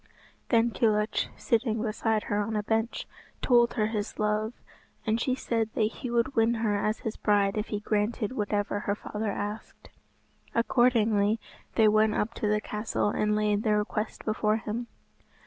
Then Kilhuch, sitting beside her on a bench, told her his love, and she said that he would win her as his bride if he granted whatever her father asked. Accordingly they went up to the castle and laid their request before him.